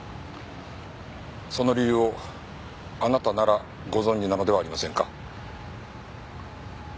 その理由をあなたならご存じなのではありませんか？